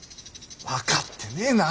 分かってねえな。